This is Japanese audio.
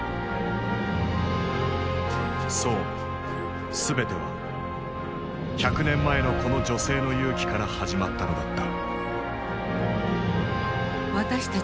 そう全ては百年前のこの女性の勇気から始まったのだった。